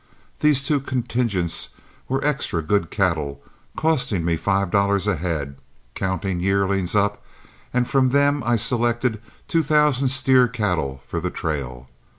These two contingents were extra good cattle, costing me five dollars a head, counting yearlings up, and from them I selected two thousand steer cattle for the trail.